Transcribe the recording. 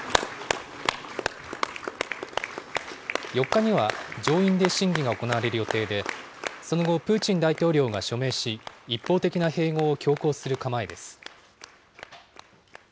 ４日には上院で審議が行われる予定で、その後、プーチン大統領が署名し、一方的な併合を強行する構えです。